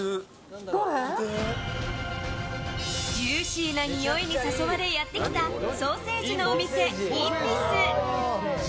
ジューシーなにおいに誘われやってきたソーセージのお店、インビス。